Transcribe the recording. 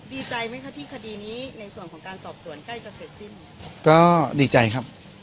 ดีใจไหมคะที่คดีนี้ในส่วนของการสอบสวนใกล้จะเสร็จสิ้นก็ดีใจครับ